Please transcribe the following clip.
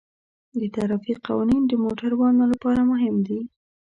د ترافیک قوانین د موټروانو لپاره مهم دي.